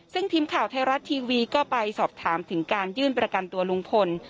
ซึ่งทีมข่าวไทยรัฐทีวีก็ไปสอบถามถึงการยื่นประกันตัวลุงพล